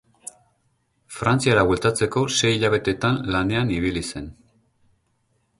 Frantziara bueltatzeko sei hilabetetan lanean ibili zen.